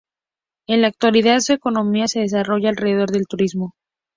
En la actualidad su economía se desarrolla alrededor del turismo.